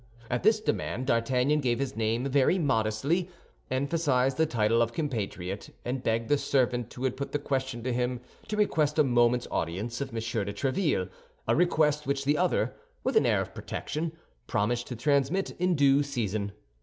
At this demand D'Artagnan gave his name very modestly, emphasized the title of compatriot, and begged the servant who had put the question to him to request a moment's audience of M. de Tréville—a request which the other, with an air of protection, promised to transmit in due season.